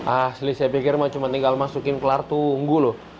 asli saya pikir mau cuma tinggal masukin kelar tunggu loh